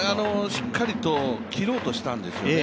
しっかりと切ろうとしたんですよね。